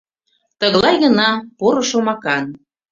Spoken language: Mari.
— Тыглай гына, поро шомакан.